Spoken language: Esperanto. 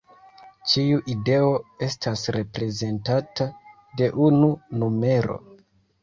Ĉiu ideo estas reprezentata de unu numero.